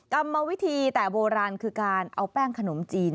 กรรมวิธีแต่โบราณคือการเอาแป้งขนมจีน